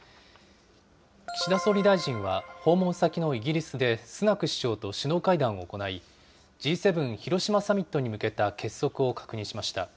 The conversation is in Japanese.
岸田総理大臣は訪問先のイギリスで、スナク首相と首脳会談を行い、Ｇ７広島サミットに向けた結束を確認しました。